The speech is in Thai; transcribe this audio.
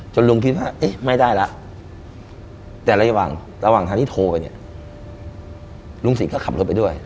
จนลุงสิงศ์คิดว่าไม่ได้แล้วแต่ระหว่างทางที่โทรไปลุงสิงศ์ก็ขับรถไปด้วย